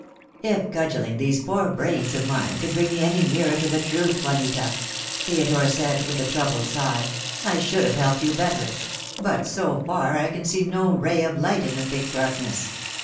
"If cudgelling these poor brains of mine could bring me any nearer to the truth, Juanita," Theodore said, with a troubled sigh, "I should have helped you better; but so far I can see no ray of light in the thick darkness.